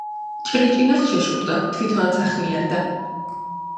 ჭრიჭინას შეშურდა, თვითონაც ახმიანდა.